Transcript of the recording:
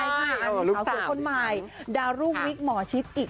เป็นชาวสูงคนใหม่ดารุวิคหรือหมอชิด